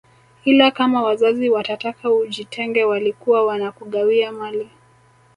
Ila kama wazazi watataka ujitenge walikuwa wanakugawia mali